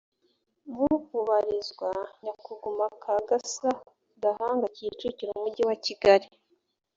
mu ubarizwa nyakugumakagasa gahanga kicukiroumujyi wa kigali